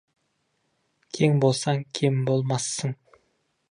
Кең болсаң, кем болмассың.